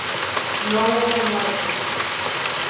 No hubo muertos.